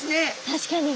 確かに。